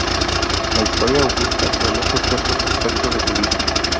La "Historia Augusta" relata ciertos aspectos de su vida.